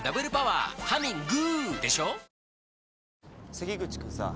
関口君さ